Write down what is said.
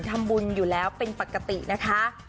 ทำบุญอยู่แล้วเป็นปกตินะคะ